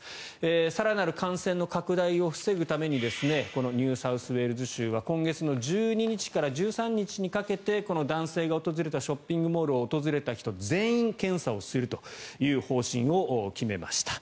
更なる感染の拡大を防ぐためにこのニューサウスウェールズ州は今月１２日から１３日にかけてこの男性が訪れたショッピングモールを訪れた人全員検査をするという方針を決めました。